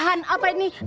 tahan apa ini